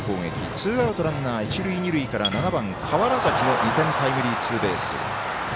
ツーアウトランナー、一塁二塁から７番、川原崎の２点タイムリーツーベース。